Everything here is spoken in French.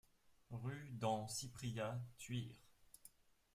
Rue d'en Cypria, Thuir